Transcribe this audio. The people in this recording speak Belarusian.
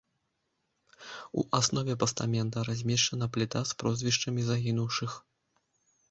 У аснове пастамента размешчана пліта з прозвішчамі загінуўшых.